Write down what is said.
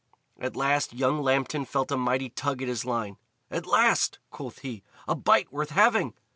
At last young Lambton felt a mighty tug at his line. "At last," quoth he, "a bite worth having!"